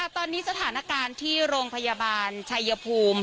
ตอนนี้สถานการณ์ที่โรงพยาบาลชัยภูมิ